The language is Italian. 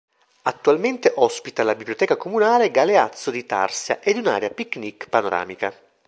Attualmente ospita la biblioteca comunale "Galeazzo di Tarsia" ed un'area pic-nic panoramica.